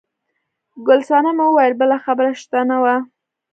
ګل صنمه وویل بله خبره شته نه وه.